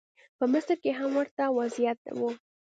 په مصر کې هم ورته وضعیت و.